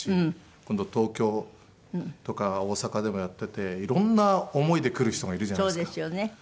今度東京とか大阪でもやってていろんな思いで来る人がいるじゃないですか。